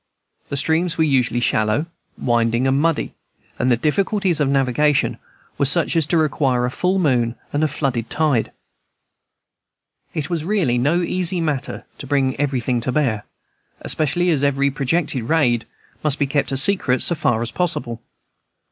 The streams were usually shallow, winding, and muddy, and the difficulties of navigation were such as to require a full moon and a flood tide. It was really no easy matter to bring everything to bear, especially as every projected raid must be kept a secret so far as possible.